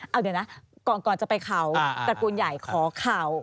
เอาเดี๋ยวนะก่อนจะไปข่าวตระกูลใหญ่ขอข่าว